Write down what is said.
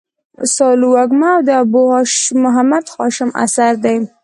سالو وږمه د ابو محمد هاشم اثر دﺉ.